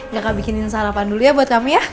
ya kak bikinin sarapan dulu ya buat kamu ya